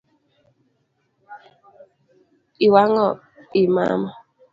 Iwang’o I mama